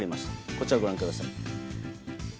こちらをご覧ください。